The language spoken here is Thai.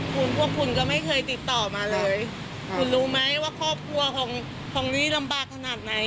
คุณพวกคุณก็ไม่เคยติดต่อมาเลยคุณรู้ไหมว่าครอบครัวของนี้ลำบากขนาดไหน